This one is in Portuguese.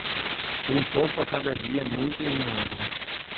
Um pouco a cada dia é muito em um ano.